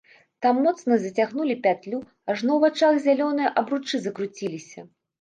Так моцна зацягнулі пятлю, ажно ў вачах зялёныя абручы закруціліся.